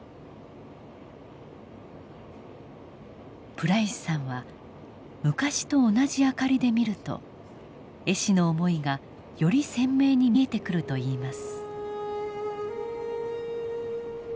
プライスさんは「昔と同じ明かりで見ると絵師の思いがより鮮明に見えてくる」と言います。